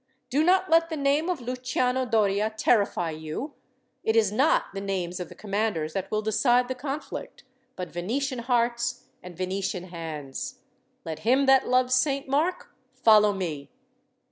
Do not let the name of Luciano Doria terrify you. It is not the names of commanders that will decide the conflict, but Venetian hearts and Venetian hands. Let him that loves Saint Mark follow me."